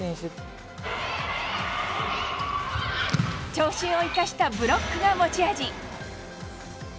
長身を生かしたブロックが持ち味。